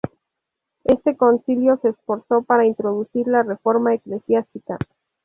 Este concilio se esforzó para introducir la reforma eclesiástica.